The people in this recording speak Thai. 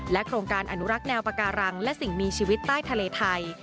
โครงการอนุรักษ์แนวปาการังและสิ่งมีชีวิตใต้ทะเลไทย